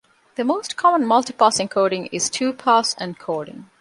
The most common multi-pass encoding is two-pass encoding.